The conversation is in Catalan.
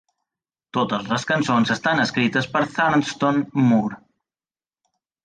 Totes les cançons estan escrites per Thurston Moore.